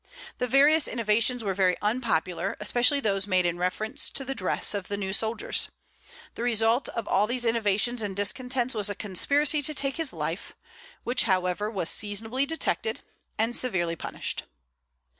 The various innovations were very unpopular, especially those made in reference to the dress of the new soldiers. The result of all these innovations and discontents was a conspiracy to take his life; which, however, was seasonably detected and severely punished.